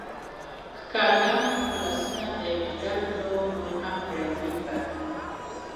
ښکاریانو خپل آسونه د ګیدړ په لور نور هم ګړندي کړل